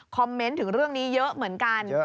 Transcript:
เมนต์ถึงเรื่องนี้เยอะเหมือนกัน